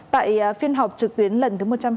tại phiên họp trực tuyến lần thứ một trăm sáu mươi